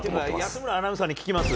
安村アナウンサーに聞きます。